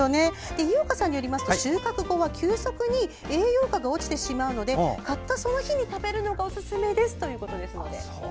井岡さんによりますと収穫後は急速に栄養価が落ちてしまうので買ったその日に食べるのがおすすめですということです。